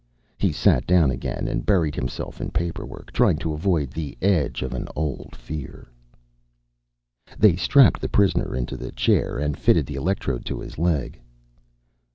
He sat down again and buried himself in paperwork, trying to avoid the edge of an old fear. They strapped the prisoner into the chair and fitted the electrode to his leg.